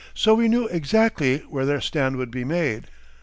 So we knew exactly where their stand would be made.